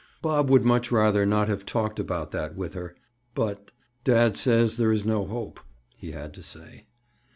Bob would much rather not have talked about that with her. But—"Dad says there is no hope," he had to say.